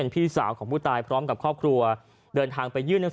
พี่สาวของผู้ตายก็บอกว่า